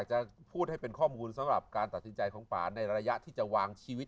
จะเป็นข้อมูลสำหรับการจัดการในระยะไหว